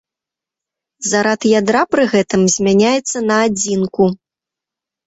Зарад ядра пры гэтым змяняецца на адзінку.